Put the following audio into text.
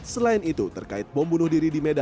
selain itu terkait bom bunuh diri